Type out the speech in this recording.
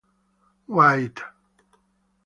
White.